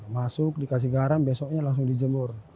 masuk dikasih garam besoknya langsung dijemur